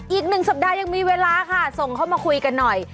อีก๑สัปดาห์ยังมีเวลาค่ะส่งเข้ามาคุยกันหน่อย